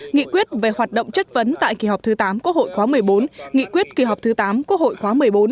nghị quyết về hoạt động chất vấn tại kỳ họp thứ tám quốc hội khóa một mươi bốn nghị quyết kỳ họp thứ tám quốc hội khóa một mươi bốn